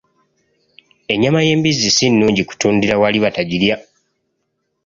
Ennyama y'embizzi si nnungi kutundira wali batagirya.